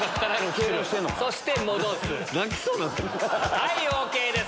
はいＯＫです！